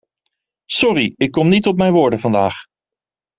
Sorry, ik kom niet op mijn woorden vandaag.